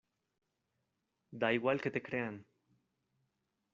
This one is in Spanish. ¡ da igual que te crean!